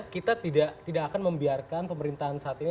kita tidak akan membiarkan pemerintahan saat ini